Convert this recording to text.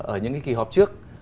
ở những cái kỳ họp trước